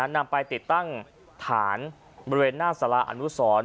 นำไปติดตั้งฐานบริเวณหน้าสาราอนุสร